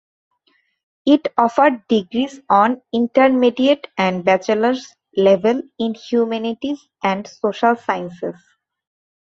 It offered degrees on intermediate and bachelor level in humanities and social sciences.